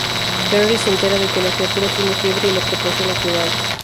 Henry se entera de que la criatura tiene fiebre y le proporciona cuidados.